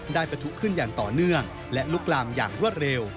ประทุขึ้นอย่างต่อเนื่องและลุกลามอย่างรวดเร็ว